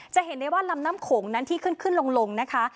จะเห็นได้ว่าลำน้ำโขงนั้นที่ขึ้นขึ้นลงนะคะ